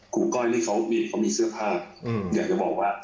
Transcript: ก้อยนี่เขามีเสื้อผ้าอยากจะบอกว่า